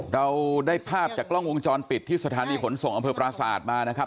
เราได้ภาพจากกล้องวงจรปิดที่สถานีขนส่งอำเภอปราศาสตร์มานะครับ